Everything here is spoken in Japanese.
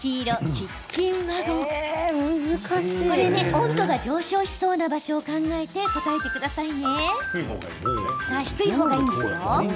温度が上昇しそうな場所を考えて答えてください。